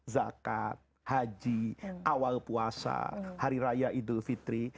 zakat haji awal puasa hari raya idul fitri